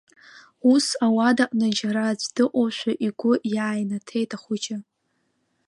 Ус, ауадаҟны џьара аӡә дыҟоушәа игәы иааинаҭеит ахәыҷы.